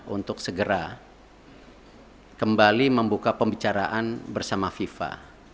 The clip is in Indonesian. untuk segera kembali membuka pembicaraan bersama fifa